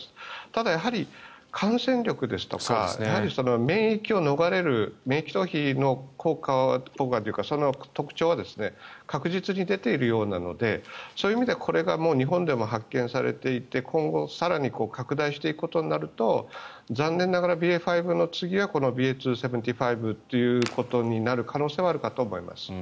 ただ感染力とか免疫を逃れる免疫逃避の効果というかその特徴は確実に出ているようなのでそういう意味でこれが日本でも発見されていて今後更に拡大していくことになると残念ながらＢＡ．５の次はこのＢＡ．２．７５ということになる可能性はあるかと思います。